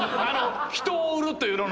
人を売るというのの。